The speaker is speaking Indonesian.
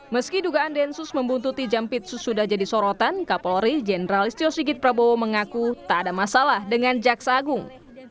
meski dugaan densus membuntuti jampitsu sudah jadi sorotan kapolri jenderal istio sigit prabowo mengaku tak ada masalah dengan jaksa agung